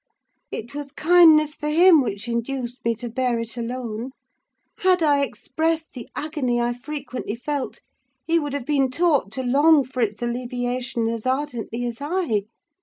It was kindness for him which induced me to bear it alone: had I expressed the agony I frequently felt, he would have been taught to long for its alleviation as ardently as I.